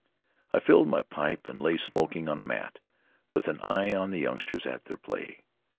I filled my pipe and lay smoking on a mat, with an eye on the youngsters at their play.